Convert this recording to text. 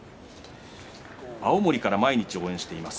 青森から毎日応援しています！